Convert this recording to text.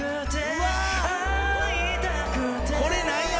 これ何や？